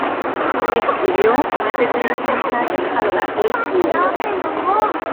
Escribió más de treinta ensayos a lo largo de su vida.